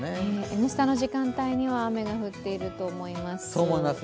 「Ｎスタ」の時間帯には雨が降っていると思います。